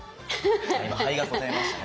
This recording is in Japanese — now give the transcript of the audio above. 今肺が答えましたね。